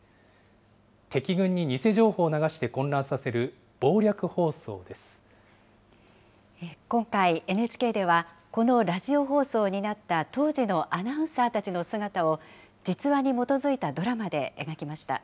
敵軍に偽情報を流して混乱させる、今回、ＮＨＫでは、このラジオ放送を担った当時のアナウンサーたちの姿を、実話に基づいたドラマで描きました。